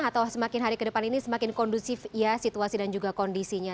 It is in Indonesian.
atau semakin hari ke depan ini semakin kondusif ya situasi dan juga kondisinya